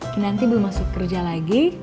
kinanti belum masuk kerja lagi